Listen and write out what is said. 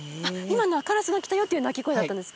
今のは「カラスが来たよ」っていう鳴き声だったんですか？